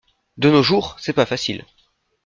De nos jours, c’est pas facile.